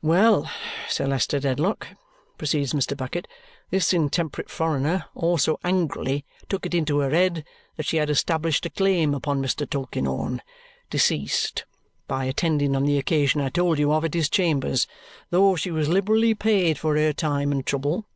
"Well, Sir Leicester Dedlock," proceeds Mr. Bucket, "this intemperate foreigner also angrily took it into her head that she had established a claim upon Mr. Tulkinghorn, deceased, by attending on the occasion I told you of at his chambers, though she was liberally paid for her time and trouble."